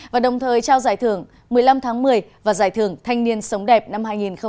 và đồng thời trao giải thưởng một mươi năm tháng một mươi và giải thưởng thanh niên sống đẹp năm hai nghìn hai mươi